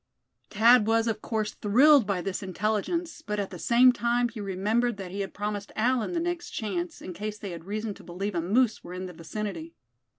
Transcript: Thad was of course thrilled by this intelligence; but at the same time he remembered that he had promised Allan the next chance, in case they had reason to believe a moose were in the vicinity.